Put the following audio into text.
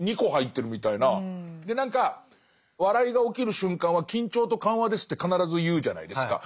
で何か笑いが起きる瞬間は緊張と緩和ですって必ず言うじゃないですか。